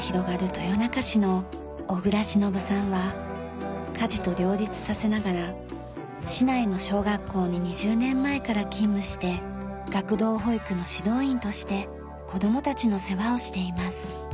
豊中市の小倉忍さんは家事と両立させながら市内の小学校に２０年前から勤務して学童保育の指導員として子どもたちの世話をしています。